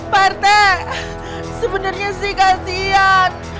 prt sebenernya sih kasihan